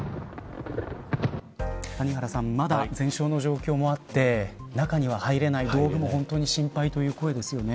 谷原さんまだ全焼の状況もあって中には入れない道具も本当に心配ということですね。